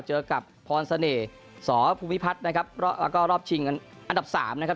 เจอกับพรเสน่ห์สอภูมิพัฒน์นะครับแล้วก็รอบชิงกันอันดับสามนะครับ